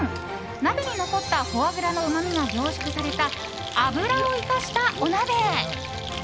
鍋に残ったフォアグラのうまみが凝縮された脂を生かしたお鍋。